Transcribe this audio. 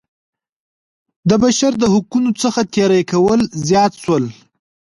د بشر د حقونو څخه تېری کول زیات شول.